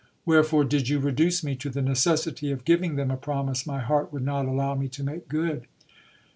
Wherefore did you reduce me to the necessity of giving them a promise my heart would not allow me to make good